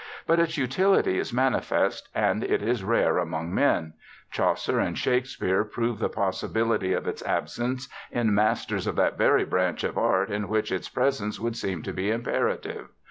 But its utility is manifest, and it is rare among men: Chaucer and Shakespeare prove the possibility of its absence in masters of that very branch of art in which its presence would seem to be imperative.